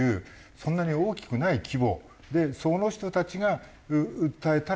そんなに大きくない規模でその人たちが訴えたらどうなるの？